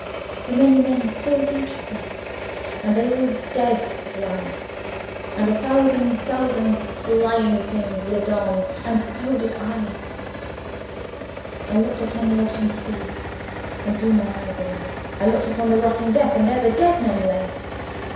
The many men, so beautiful! And they all dead did lie: And a thousand thousand slimy things Lived on; and so did I. I looked upon the rotting sea, And drew my eyes away; I looked upon the rotting deck, And there the dead men lay.